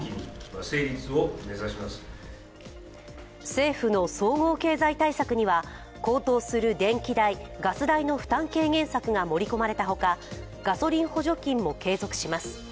政府の総合経済対策には高騰する電気代、ガス代の負担軽減策が盛り込まれたほか、ガソリン補助金も継続します。